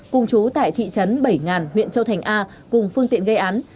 cùng chú tại thị trấn bảy ngàn huyện châu thành a cùng phương tiện gây án